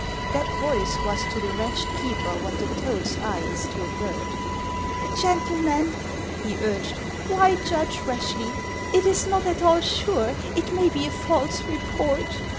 HANS OF ICELAND. 163 That voice was to the wretched keeper what the toad's eye is to a bird. " Gentlemen," he urged, " why judge rashly ? It is not at all sure ; it may be a false report."